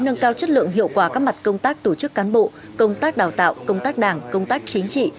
nâng cao chất lượng hiệu quả các mặt công tác tổ chức cán bộ công tác đào tạo công tác đảng công tác chính trị